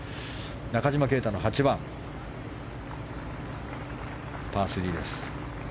中島啓太の８番、パー３です。